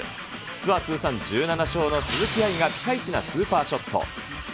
ツアー通算１７勝の鈴木愛がピカイチなスーパーショット。